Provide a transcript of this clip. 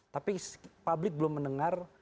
tapi publik belum mendengar